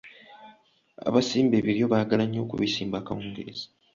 Abasimba ebiryo baagala nnyo okubisimba akawungeezi.